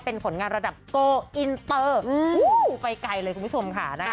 เป็นผลงานระดับโกอินเตอร์ไปไกลเลยคุณผู้ชมค่ะนะคะ